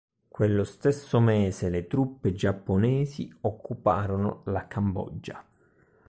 Quello stesso mese le truppe giapponesi occuparono la Cambogia.